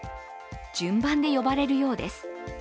順番で呼ばれるようです。